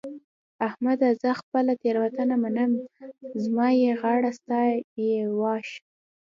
احمده! زه خپله تېرونته منم؛ زما يې غاړه ستا يې واښ.